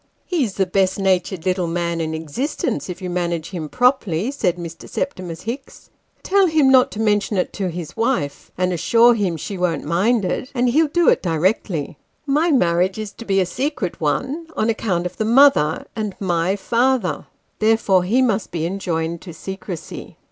" He's the best natured little man in existence, if you manage him properly," said Mr. Septimus Hicks. " Tell him not to mention it to his wife, and assure him she won't mind it, and he'll do it directly. My marriage is to be a secret one, on account of the mother and my father ; therefore he must be enjoined to secrecy."